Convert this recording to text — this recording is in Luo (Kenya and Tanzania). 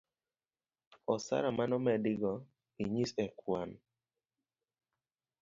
osara manomedi go inyis e kwan